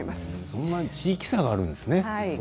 そんなに地域差があるんですね。